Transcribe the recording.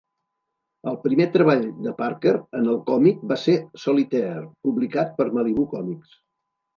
El primer treball de Parker en el còmic va ser "Solitaire", publicat per Malibu Comics.